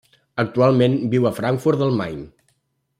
Actualment viu a Frankfurt del Main.